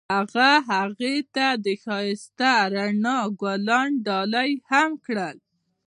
هغه هغې ته د ښایسته رڼا ګلان ډالۍ هم کړل.